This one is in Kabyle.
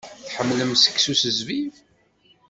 Tḥemmlem seksu s zzbib?